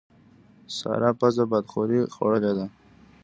د سارا پزه بادخورې خوړلې ده.